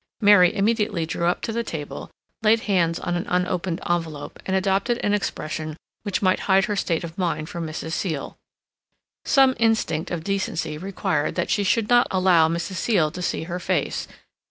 Mary immediately drew up to the table, laid hands on an unopened envelope, and adopted an expression which might hide her state of mind from Mrs. Seal. Some instinct of decency required that she should not allow Mrs. Seal to see her face.